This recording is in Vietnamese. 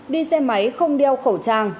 đi xe máy không đeo khẩu trang